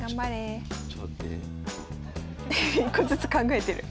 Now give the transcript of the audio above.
１個ずつ考えてる。